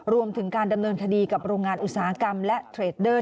รวมถึงการดำเนินคดีกับโรงงานอุตสาหกรรมและเทรดเดอร์